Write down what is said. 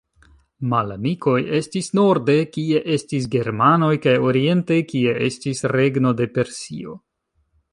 Malamikoj estis norde, kie estis germanoj kaj oriente, kie estis regno de Persio.